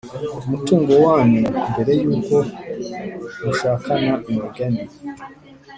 umutungo wanyu mbere y uko mushakana Imigani